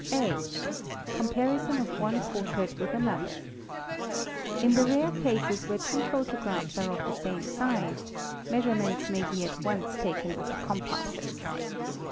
(a) Comparison of one portrait with another. In the rare cases vhere two photographs are of the same size, measurements may be at mce taken with the compasses.